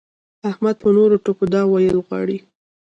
احمد په نورو ټکو دا ويل غواړي.